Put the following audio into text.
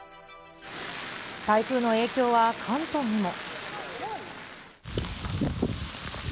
台風の影響は関東にも。